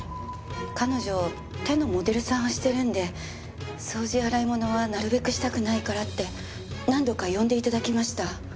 彼女手のモデルさんをしてるんで掃除や洗い物はなるべくしたくないからって何度か呼んで頂きました。